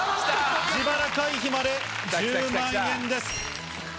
自腹回避まで１０万円です。